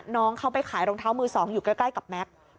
น้องเขาไปขายรองเท้ามือสองอยู่ใกล้กับแม็กซ์